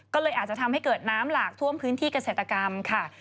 ก็เลยอาจจะทำให้เกิดน้ำหลากท่วมพื้นที่เกษตรกรรมค่ะ